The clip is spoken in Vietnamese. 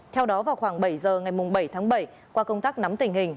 theo đó vào khoảng bảy giờ ngày bảy tháng bảy qua công tác nắm tình hình